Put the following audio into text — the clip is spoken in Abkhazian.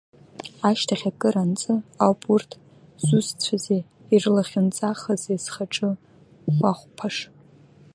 Ашьҭахь акыр анҵы ауп урҭ зусҭцәази, ирлахьынҵахази схаҿы уахәԥаш…